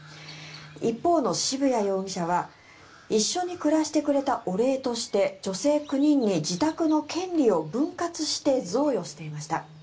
一方の渋谷容疑者は一緒に暮らしてくれたお礼として女性９人に自宅の権利を分割して贈与していました。